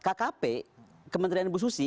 kkp kementerian ibu susi